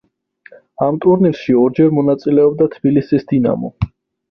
ამ ტურნირში ორჯერ მონაწილეობდა თბილისის „დინამო“.